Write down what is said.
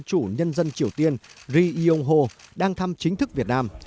chủ nhân dân triều tiên ri yong ho đang thăm chính thức việt nam